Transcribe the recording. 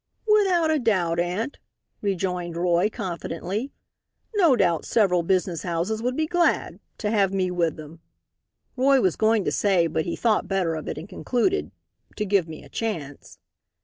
"Without a doubt, aunt," rejoined Roy, confidently; "no doubt several business houses would be glad to have me with them," Roy was going to say but he thought better of it and concluded, "to give me a chance."